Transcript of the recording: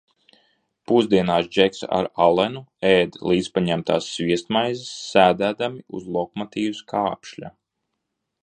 Pusdienās Džeks ar Alenu ēda līdzpaņemtās sviestmaizes, sēdēdami uz lokomotīves kāpšļa.